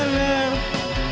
dan gak jaman nonton film